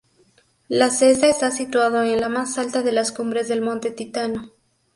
La Cesta está situado en la más alta de las cumbres del Monte Titano.